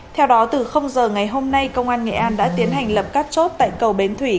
theo đó từ giờ ngày hôm nay công an nghệ an đã tiến hành lập các chốt tại cầu bến thủy